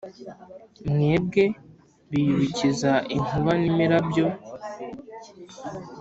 mwebwe biyubikiza nkuba nimirabyo